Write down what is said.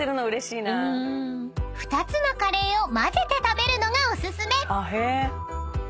［２つのカレーを混ぜて食べるのがお薦め］